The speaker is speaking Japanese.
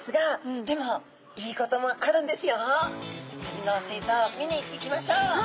次の水槽を見に行きましょう。